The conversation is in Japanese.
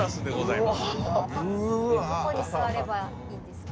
どこに座ればいいんですか？